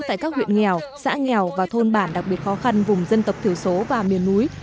tại các huyện nghèo xã nghèo và thôn bản đặc biệt khó khăn vùng dân tộc thiểu số và miền núi